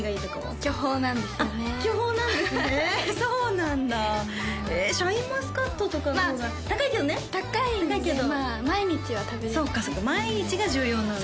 巨峰なんですよね巨峰なんですねそうなんだシャインマスカットとかの方が高いけどね高いんでまあ毎日は食べれないそうかそうか毎日が重要なんだ